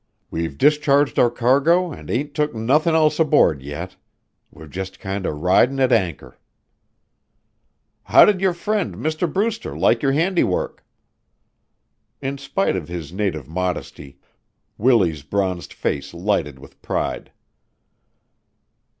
"We've discharged our cargo an' ain't took nothin' else aboard yet. We're just kinder ridin' at anchor." "How did your friend, Mr. Brewster, like your handiwork?" In spite of his native modesty Willie's bronzed face lighted with pride.